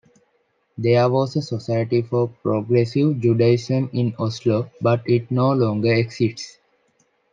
There was a Society for Progressive Judaism in Oslo, but it no longer exists.